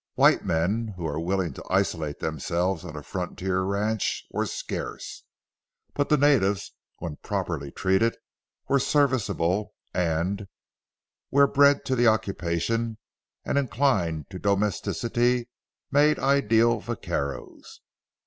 White men who were willing to isolate themselves on a frontier ranch were scarce; but the natives, when properly treated, were serviceable and, where bred to the occupation and inclined to domesticity, made ideal vaqueros.